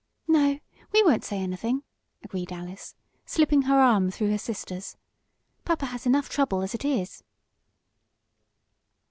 "No, we won't say anything," agreed Alice, slipping her arm through her sister's. "Papa has enough trouble as it is."